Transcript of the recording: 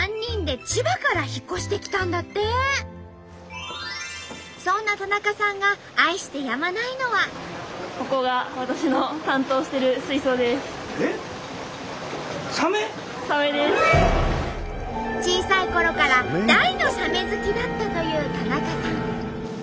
なんとそんな田中さんが小さいころから大のサメ好きだったという田中さん。